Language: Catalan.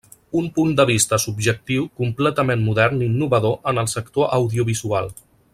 Un punt de vista subjectiu completament modern i innovador en el sector audiovisual.